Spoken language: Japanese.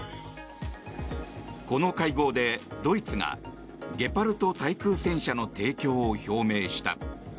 この会合で、ドイツがゲパルト対空戦車の提供を表明した。